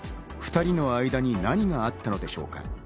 ２人の間に何があったのでしょうか？